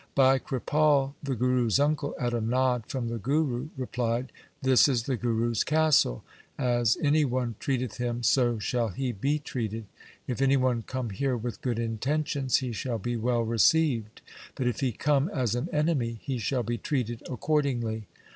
Bhai Kripal, the Guru's uncle, at a nod from the Guru replied, ' This is the Guru's castle. As any one treateth him, so shall he be treated. If any one come here with good intentions, he shall be well received ; but if he come as an enemy, he shall be treated accordingly.